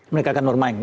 mereka akan bermain